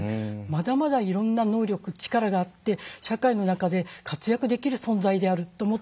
まだまだいろんな能力力があって社会の中で活躍できる存在であると思っています。